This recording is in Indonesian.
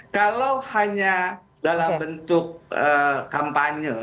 kalau hanya dalam bentuk kampanye